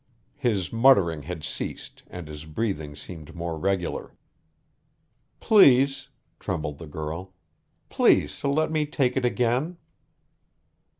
His muttering had ceased and his breathing seemed more regular. "Please," trembled the girl. "Please to let me take it again."